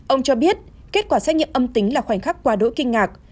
ông cho biết kết quả xét nghiệm âm tính là khoảnh khắc quá đỗi kinh ngạc